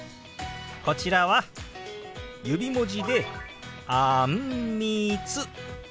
こちらは指文字で「あんみつ」。